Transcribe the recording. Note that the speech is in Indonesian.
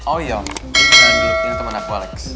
oh iya silahkan duduk ini teman aku alex